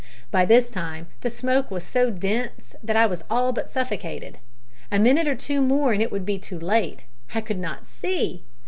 By this time the smoke was so dense that I was all but suffocated. A minute or two more and it would be too late. I could not see.